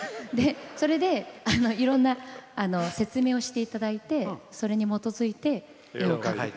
それで、いろんな説明をしていただいてそれに基づいて、絵を描く。